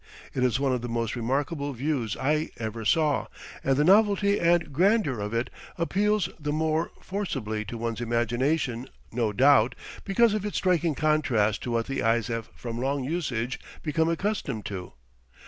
It is one of the most remarkable views I ever saw, and the novelty and grandeur of it appeals the more forcibly to one's imagination, no doubt, because of its striking contrast to what the eyes have from long usage become accustomed to.